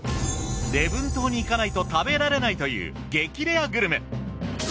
礼文島に行かないと食べられないという激レアグルメ。